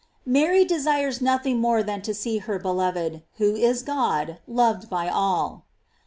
Mary desires nothing more than to see her beloved, who is God, loved by all.